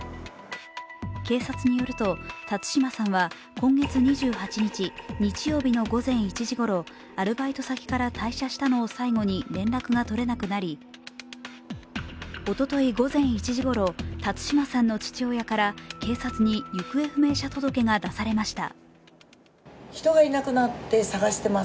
警察によると、辰島さんは今月２８日、日曜日の午前１時ごろアルバイト先から退社したのを最後に連絡が取れなくなりおととい午前１時ごろ、辰島さんの父親から警察に行方不明者届が出されました。